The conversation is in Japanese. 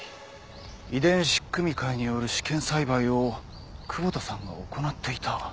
遺伝子組み換えによる試験栽培を窪田さんが行っていた。